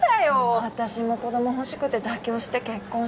私も子供欲しくて妥協して結婚したし。